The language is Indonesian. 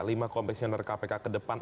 lima komisioner kpk ke depan